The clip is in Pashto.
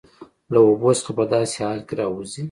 له اوبو څخه په داسې حال کې راوځي